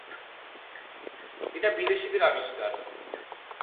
এটা বিদেশিদের আবিষ্কার।